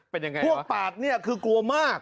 พวกแปดนี่คือกลัวมาก